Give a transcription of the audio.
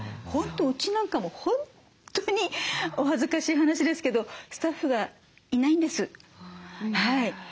本当うちなんかも本当にお恥ずかしい話ですけどスタッフがいないんです。